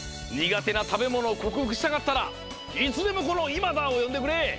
苦手な食べものを克服したかったらいつでもこのイマダーをよんでくれ！